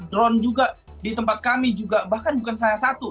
drone juga di tempat kami juga bahkan bukan salah satu